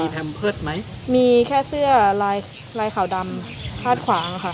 แพมเพิร์ตไหมมีแค่เสื้อลายลายขาวดำคาดขวางค่ะ